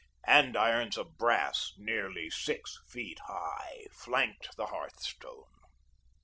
Andirons of brass, nearly six feet high, flanked the hearthstone.